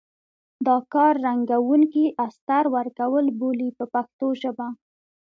دا کار رنګوونکي استر ورکول بولي په پښتو ژبه.